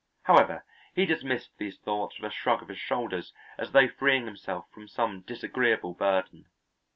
However, he dismissed these thoughts with a shrug of his shoulders as though freeing himself from some disagreeable burden.